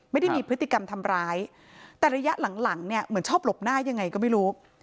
ไม่ได้มีพฤติกรรมทำร้ายแต่ระยะหลังหลังเนี่ยเหมือนชอบหลบหน้ายังไงก็ไม่รู้